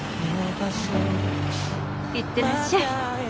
行ってらっしゃい。